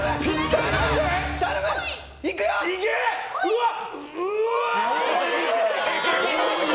うわっ！